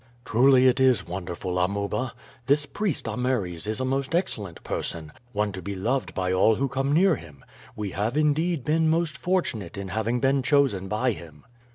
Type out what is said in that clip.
"Truly it is wonderful, Amuba. This Priest Ameres is a most excellent person, one to be loved by all who come near him. We have indeed been most fortunate in having been chosen by him."